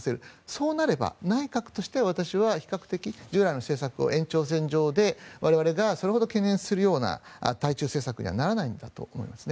そうすると、内閣として比較的従来の政策の延長線上で我々がそれほど懸念するような対中政策にはならないんだと思います。